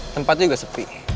tempatnya juga sepi